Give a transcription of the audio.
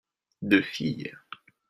deux filles.